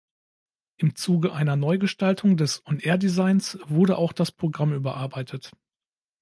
Im Zuge einer Neugestaltung des On-Air Designs wurde auch das Programm überarbeitet.